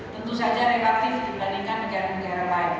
tentu saja relatif dibandingkan negara negara lain